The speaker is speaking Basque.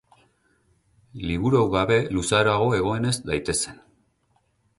Liburu hau gabe luzaroago egon ez daitezen.